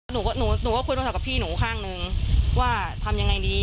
หนูหนูก็คุยโทรศัพท์กับพี่หนูข้างนึงว่าทำยังไงดี